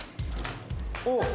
おっ。